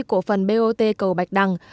cổ phần bot cầu bạch đằng